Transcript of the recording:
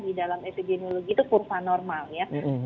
di dalam epidemiologi itu kurva normal ya